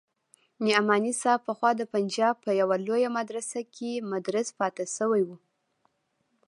نعماني صاحب پخوا د پنجاب په يوه لويه مدرسه کښې مدرس پاته سوى و.